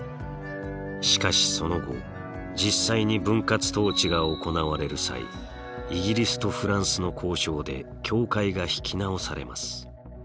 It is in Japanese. しかしその後実際に分割統治が行われる際イギリスとフランスの交渉で境界が引き直されます。